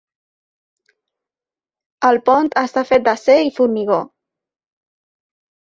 El pont està fet d'acer i formigó.